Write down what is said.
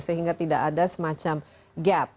sehingga tidak ada semacam gap